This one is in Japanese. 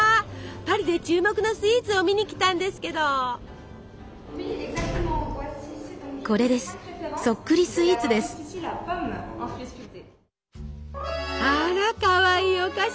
パリで注目のスイーツを見に来たんですけど。あらかわいいお菓子！